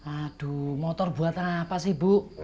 aduh motor buatan apa sih bu